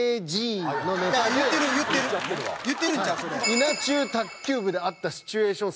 『稲中卓球部』であったシチュエーション